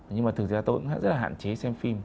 nhưng mà thực ra tôi cũng rất là hạn chế xem phim